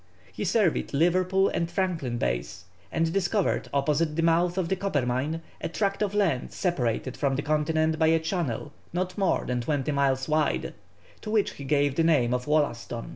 He surveyed Liverpool and Franklin Bays, and discovered opposite the mouth of the Coppermine a tract of land separated from the continent by a channel not more than twenty miles wide, to which he gave the name of Wollaston.